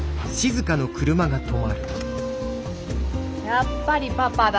やっぱりパパだ。